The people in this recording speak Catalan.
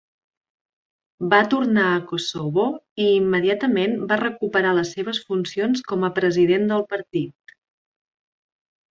Va tornar a Kosovo i immediatament va recuperar les seves funcions com a president del partit.